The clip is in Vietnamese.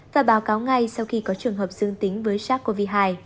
và báo cáo ngay sau khi có trường hợp dương tính với sars cov hai